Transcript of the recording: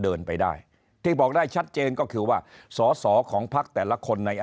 เดินไปได้ที่บอกได้ชัดเจนก็คือว่าสอสอของพักแต่ละคนใน